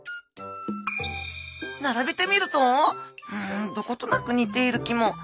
並べてみるとうんどことなく似ている気も。